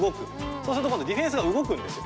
そうすると今度ディフェンスが動くんですよ。